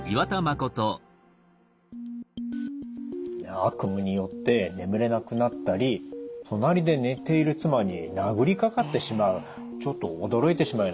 悪夢によって眠れなくなったり隣で寝ている妻に殴りかかってしまうちょっと驚いてしまうようなケースでしたね。